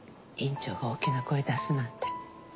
院長が大きな声出すなんて。